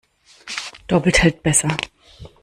Doppelt hält besser.